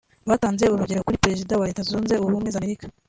Batanze urugero kuri Perezida wa Leta Zunze Ubumwe za Amerika